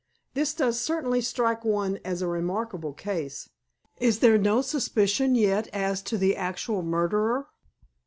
"This does certainly strike one as a remarkable case. Is there no suspicion yet as to the actual murderer?"